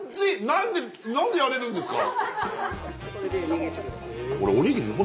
何で何でやれるんですか？